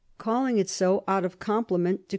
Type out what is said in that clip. calling it so out of compliment to Q.